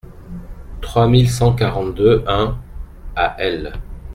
trois mille cent quarante-deux-un à L.